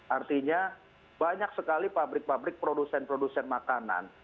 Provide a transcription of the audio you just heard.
artinya banyak sekali pabrik pabrik produsen produsen makanan